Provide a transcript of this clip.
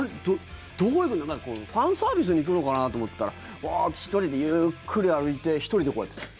どこ行くんだファンサービスに行くのかなって思ったらバーッて１人でゆっくり歩いて１人でこうやってた。